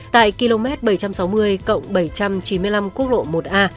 tại km bảy trăm sáu mươi cộng bảy trăm chín mươi năm quốc lộ một a